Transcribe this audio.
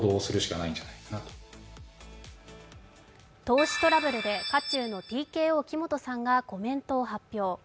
投資トラブルで渦中のＴＫＯ・木本さんがコメントを発表。